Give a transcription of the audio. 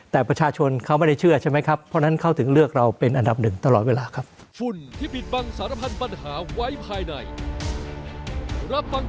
แต่ประชาชนเขาไม่ได้เชื่อใช่ไหมครับเพราะฉะนั้นเขาถึงเลือกเราเป็นอันดับหนึ่งตลอดเวลาครับ